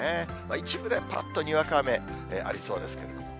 一部でぱらっとにわか雨ありそうですけれども。